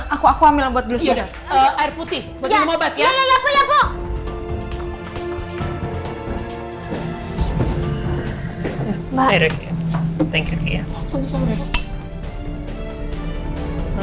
aku ambil buat gulis gula